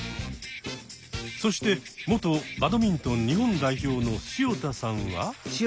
そして元バドミントン日本代表の潮田さんは。